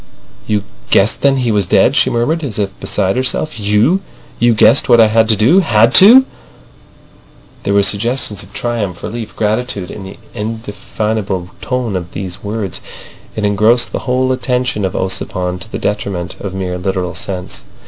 "You guessed then he was dead," she murmured, as if beside herself. "You! You guessed what I had to do. Had to!" There were suggestions of triumph, relief, gratitude in the indefinable tone of these words. It engrossed the whole attention of Ossipon to the detriment of mere literal sense.